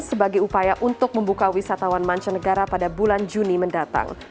sebagai upaya untuk membuka wisatawan mancanegara pada bulan juni mendatang